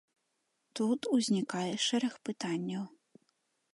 Тут узнікае шэраг пытанняў.